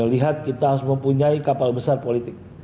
lihat kita harus mempunyai kapal besar politik